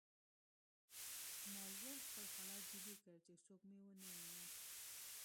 ما ژر خپل حالت جدي کړ چې څوک مې ونه ویني